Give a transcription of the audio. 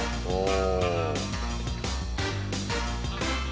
お。